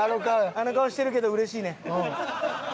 あの顔してるけどうれしいね。